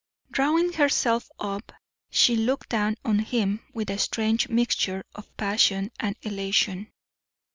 Drawing herself up, she looked down on him with a strange mixture of passion and elation.